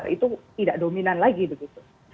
itu tidak dominan lagi begitu